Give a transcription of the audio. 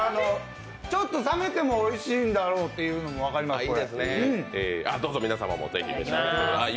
ちょっと冷めてもおいしんだろうというのも分かります、これ。